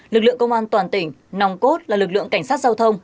lực lượng công an toàn tỉnh nòng cốt là lực lượng cảnh sát giao thông